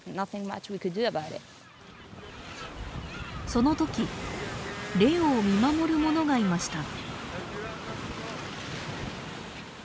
その時レオを見守るものがいました。